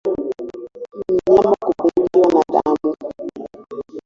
Mnyama kupungukiwa na damu